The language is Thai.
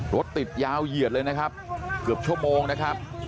รถติดยาวเหยียดเลยนะครับเกือบชั่วโมงนะครับ